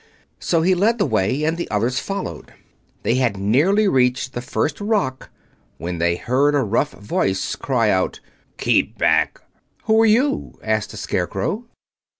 So he led the way and the others followed. They had nearly reached the first rock when they heard a rough voice cry out, "Keep back!" "Who are you?" asked the Scarecrow.